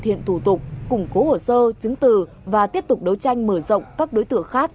chúng tôi đã thực hiện thủ tục củng cố hồ sơ chứng từ và tiếp tục đấu tranh mở rộng các đối tượng khác